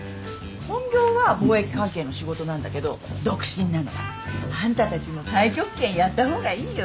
本業は貿易関係の仕事なんだけど独身なの。あんたたちも太極拳やった方がいいよ。